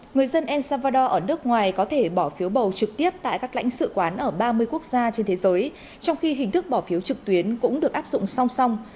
người dân el salvador ở nước ngoài có thể bỏ phiếu bầu trực tiếp tại các lãnh sự quán ở ba mươi quốc gia trên thế giới trong khi hình thức bỏ phiếu trực tuyến cũng được áp dụng song song